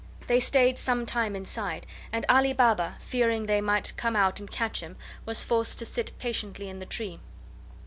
They stayed some time inside, and Ali Baba, fearing they might come out and catch him, was forced to sit patiently in the tree.